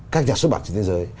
các nhà xuất bản trên thế giới